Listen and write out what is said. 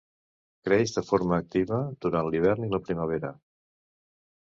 Creix de forma activa durant l'hivern i la primavera.